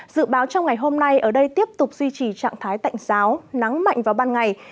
dự báo trong ngày hôm nay ở đây tiếp tục duy trì trạng thái tạnh giáo nắng mạnh vào ban ngày